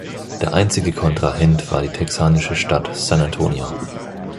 Der einzige Kontrahent war die texanische Stadt San Antonio.